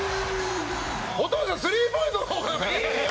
お父さん、スリーポイントの方がいいよ！